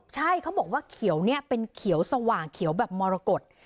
ใช่เขาบอกว่าเขียวเนี่ยเป็นเขียวสว่างเขียวแบบมรกฏ